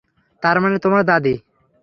তারমানে তোমার দাদী।